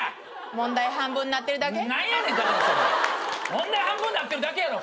問題半分なってるだけやろ！